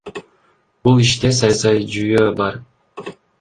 Бул иште саясий жүйөө бар.